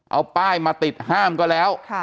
เอาป้ายมาติดห้ามก็แล้ว